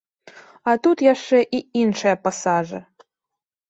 А тут яшчэ і іншыя пасажы.